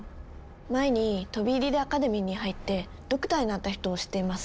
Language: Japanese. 前に飛び入りでアカデミーに入ってドクターになった人を知っています。